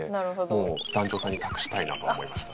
「もう団長さんに託したいなと思いました」